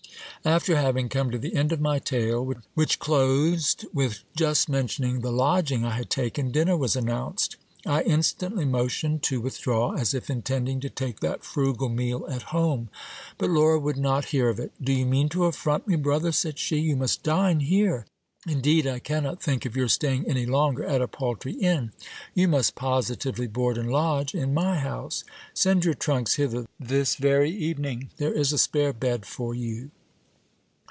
After having come to the end of my tale, which closed with just mentioning the lodging I had taken, dinner was announced. I instantly motioned to with draw, as if intending to take that frugal meal at home ; but Laura would not hear of it. ' Do you mean to affront me, brother? said she. You must dine here. Indeed, I cannot think of your staying any longer at a paltry inn. You must positively board and lodge in my house. Send your trunks hither this very evening ; there is a spare bed for you.